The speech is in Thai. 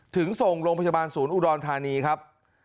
ถึงส่งโรงพยาบาลศูนย์อุดรธานีครับ